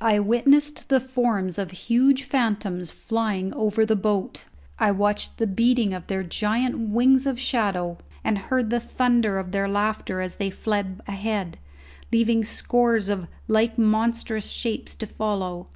I witnessed the forms of huge phantoms flying over the boat; I watched the beating of their giant wings of shadow and heard the thunder of their laughter as they fled ahead, leaving scores of like monstrous shapes to follow.